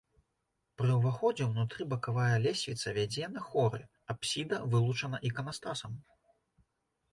Пры ўваходзе ўнутры бакавая лесвіца вядзе на хоры, апсіда вылучана іканастасам.